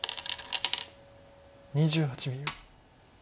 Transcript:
２８秒。